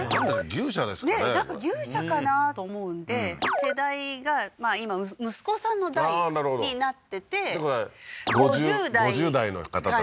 牛舎ですかねねえなんか牛舎かなと思うんで世代が今息子さんの代になっててってことは５０代の方たち？